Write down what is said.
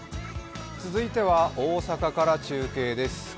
続いては大阪から中継です。